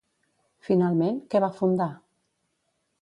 Finalment, què va fundar?